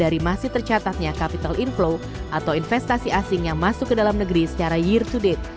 dari masih tercatatnya capital inflow atau investasi asing yang masuk ke dalam negeri secara year to date